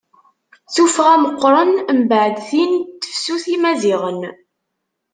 Tuffɣa meqqren mbeɛd tin n Tefsut n yimaziɣen.